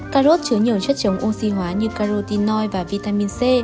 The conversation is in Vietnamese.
cà rốt chứa nhiều chất chống oxy hóa như karotino và vitamin c